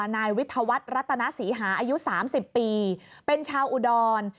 นายวิทยาวัตรรัฐณาศรีหาอายุสามสิบปีเป็นชาวอุดร